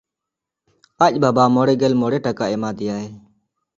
ᱟᱡ ᱵᱟᱵᱟ ᱢᱚᱬᱮᱜᱮᱞ ᱢᱚᱬᱮ ᱴᱟᱠᱟ ᱮᱢᱟ ᱫᱮᱭᱟᱭ᱾